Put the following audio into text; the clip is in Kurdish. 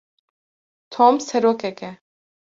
Tom serokek e.